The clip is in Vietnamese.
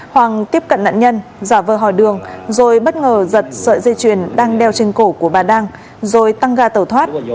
hoàng tiếp cận nạn nhân giả vờ hỏi đường rồi bất ngờ giật sợi dây chuyền đang đeo trên cổ của bà đang rồi tăng ga tẩu thoát